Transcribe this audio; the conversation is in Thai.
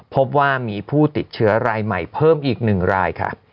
พบว่ามีผู้ติดเชื้อรายใหม่เพิ่มอีก๑รายค่ะ